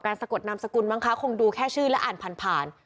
การสะกดดำสกุลบ้างคะคงดูแค่ชื่อและอ่านผ่าน